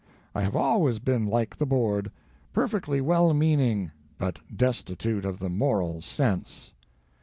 I have always been like the Board — perfectly well meaning, but destitute of the Moral Sense.